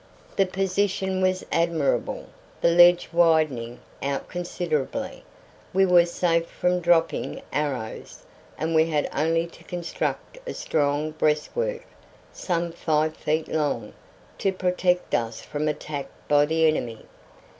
The position was admirable, the ledge widening out considerably; we were safe from dropping arrows, and we had only to construct a strong breastwork, some five feet long, to protect us from attack by the enemy.